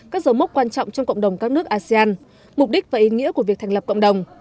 các dấu mốc quan trọng trong cộng đồng các nước asean mục đích và ý nghĩa của việc thành lập cộng đồng